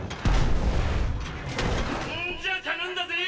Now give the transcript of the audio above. んじゃ頼んだぜぇ！